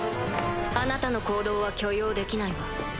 あなたの行動は許容できないわ。